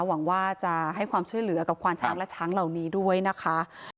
หวังว่าจะให้ความช่วยเหลือกับควานช้างและช้างเหล่านี้ด้วยนะคะ